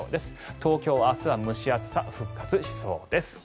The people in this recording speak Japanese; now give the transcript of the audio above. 東京、明日は蒸し暑さ復活しそうです。